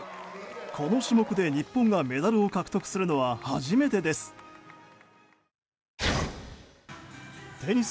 この種目で日本がメダルを獲得するのは初めてです。